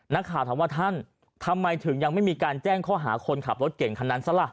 นักข่าวถามว่าท่านทำไมถึงยังไม่มีการแจ้งข้อหาคนขับรถเก่งคันนั้นซะล่ะ